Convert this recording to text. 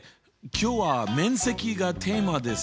今日は面積がテーマですよ。